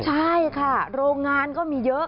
ใช่ค่ะโรงงานก็มีเยอะ